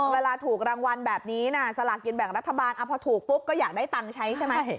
เวลาถูกรางวัลแบบนี้สลากินแบ่งรัฐบาลพอถูกปุ๊บก็อยากได้ตังค์ใช้ใช่ไหม